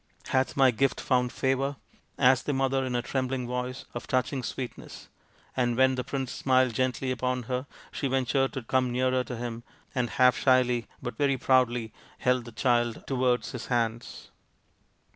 " Hath my gift found favour ?" asked the mother in a trembling voice of touching sweetness, and when the prince smiled gently upon her she ventured to come nearer to him and half shyly, but very proudly, held the child towards his hands.